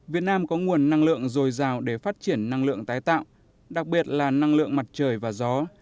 việt nam có nguồn năng lượng dồi dào để phát triển năng lượng tái tạo đặc biệt là năng lượng mặt trời và gió